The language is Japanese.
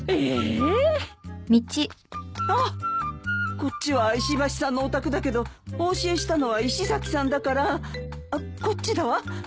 こっちは石橋さんのお宅だけどお教えしたのは石崎さんだからこっちだわ。